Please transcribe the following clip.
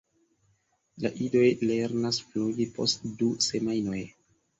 La idoj lernas flugi post du semajnoj.